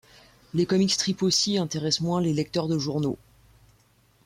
Les comic strips aussi intéressent moins les lecteurs de journaux.